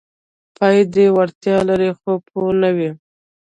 پای کې وړتیا لري خو پوه نه وي: